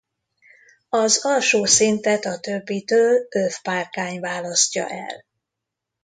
Az alsó szintet a többitől övpárkány választja el.